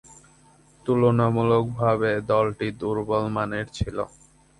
তুলনামূলকভাবে দলটি দূর্বলমানের ছিল।